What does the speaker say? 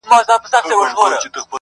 د وخت مجنون يم ليونى يمه زه.